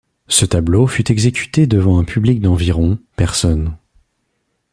Ce tableaux fut exécuté devant un public d’environ personnes.